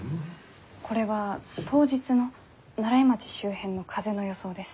これは当日の西風町周辺の風の予想です。